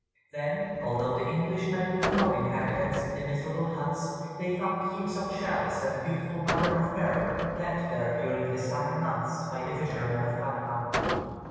There, although the English met with no inhabitants in the miserable huts, they found heaps of shells and beautiful mother of pearl left there during the summer months by the fishermen of Panama.